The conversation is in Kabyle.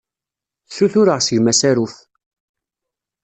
Ssutureɣ seg-m asaruf.